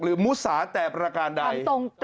หรือมุษรแต่ประการใด